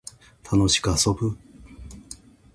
楽しく遊ぶ